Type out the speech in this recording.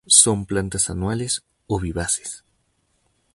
Son plantas anuales o vivaces.